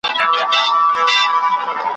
ځان تر ټول جهان لایق ورته ښکاریږي ,